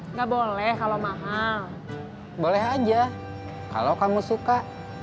nggak boleh kalau mahal boleh aja kalau kamu suka